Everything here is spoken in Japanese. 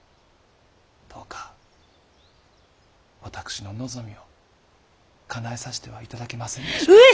どうか私の望みをかなえさしては頂けませんでしょうか。